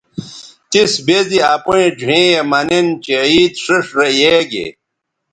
تِس بے زی اپیئں ڙھیئں یے مہ نِن چہء عید ݜیئݜ رے یے گے